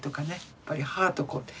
やっぱり母と子。